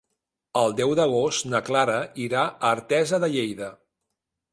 El deu d'agost na Clara irà a Artesa de Lleida.